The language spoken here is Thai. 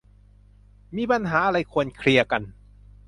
มีปัญหาอะไรควรเคลียร์กัน